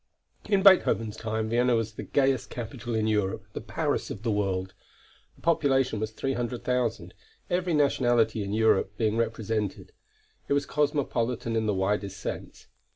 In Beethoven's time, Vienna was the gayest capital in Europe, the Paris of the world. The population was 300,000, every nationality in Europe being represented. It was cosmopolitan in the widest sense.